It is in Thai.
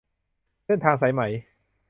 เส้นทางสายไหม